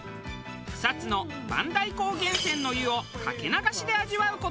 草津の万代鉱源泉の湯をかけ流しで味わう事ができる。